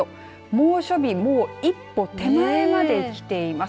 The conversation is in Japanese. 猛暑日もう一歩手前まで来ています。